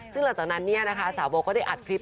ซึ่งหลังจากนั้นเนี่ยนะคะสาวโบก็ได้อัดคลิป